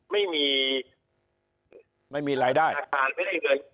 ไม่มีอาการไม่ได้เงิน